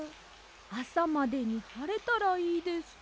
あさまでにはれたらいいですけど。